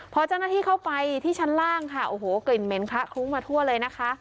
พอเจ้าหน้าที่เข้าไปที่ชั้นล่างค่ะโอ้โหกลิ่นเหม็นคละคลุ้งมาทั่วเลยนะคะ